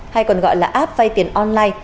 hay còn gọi là app vay tiền online